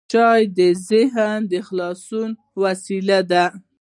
چای د ذهن د خلاصون وسیله ده.